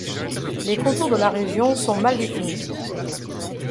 Les contours de la région sont mal définis.